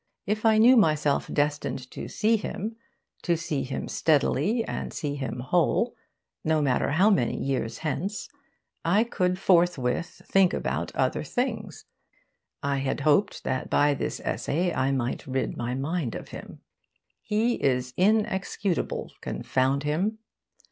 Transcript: If I knew myself destined to see him to see him steadily and see him whole no matter how many years hence, I could forthwith think about other things. I had hoped that by this essay I might rid my mind of him. He is inexcutible, confound him!